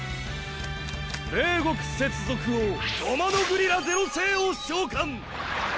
霊獄接続王ロマノグリラ０世を召喚！